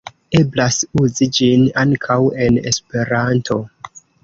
Eblas uzi ĝin ankaŭ en Esperanto.